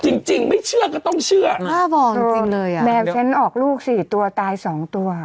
จริงจริงไม่เชื่อก็ต้องเชื่อบอกจริงเลยอ่ะแมวฉันออกลูกสี่ตัวตายสองตัว